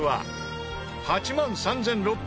８万３６０３円。